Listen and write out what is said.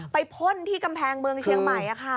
พ่นที่กำแพงเมืองเชียงใหม่